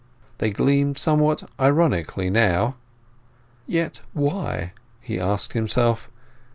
They gleamed somewhat ironically now. "Yet why?" he asked himself.